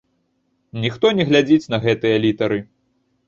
Ніхто не глядзіць на гэтыя літары!